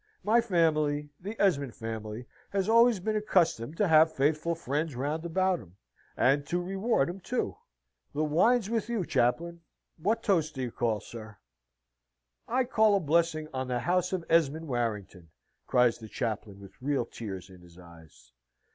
My family the Esmond family has always been accustomed to have faithful friends round about 'em and to reward 'em too. The wine's with you, Chaplain. What toast do you call, sir?" "I call a blessing on the house of Esmond Warrington!" cries the chaplain, with real tears in his eyes.